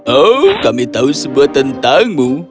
oh kami tahu semua tentangmu